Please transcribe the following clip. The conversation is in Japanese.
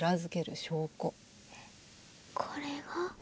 これが？